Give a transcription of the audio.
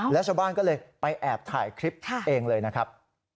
แล้วชาวบ้านก็เลยไปแอบถ่ายคลิปเองเลยนะครับ